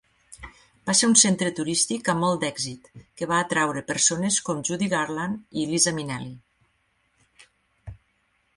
Va ser un centre turístic amb molt d'èxit, que va atraure persones com Judy Garland i Liza Minnelli.